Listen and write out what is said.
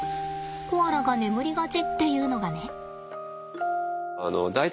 コアラが眠りがちっていうのがね。